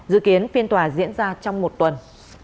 dự kiến phiên tòa diễn ra trong một tuần